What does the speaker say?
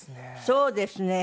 そうですね。